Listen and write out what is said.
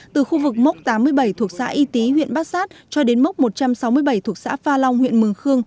từ khu vực mốc tám mươi bảy thuộc xã y tý huyện bát sát cho đến mốc một trăm sáu mươi bảy thuộc xã pha long huyện mường khương